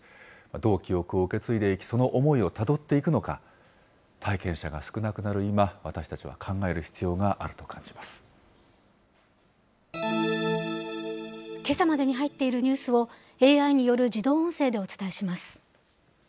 どう記憶を受け継いでいき、その思いをたどっていくのか、体験者が少なくなる今、私たちは考える必要けさまでに入っているニュースをＡＩによる自動音声でお伝えします。